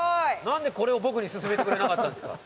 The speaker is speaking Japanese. なんでこれを僕に勧めてくれなかったんですか？